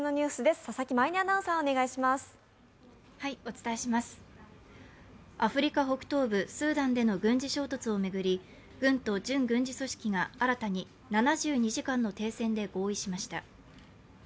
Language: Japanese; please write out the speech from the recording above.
そこにはアフリカ北東部スーダンでの軍事衝突を巡り軍と準軍事組織が新たに７２時間の停戦で合意しました。